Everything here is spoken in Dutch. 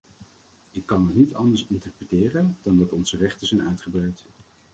Ik kan het niet anders interpreteren dan dat onze rechten zijn uitgebreid.